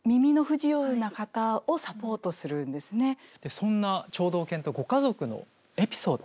そんな聴導犬とご家族のエピソード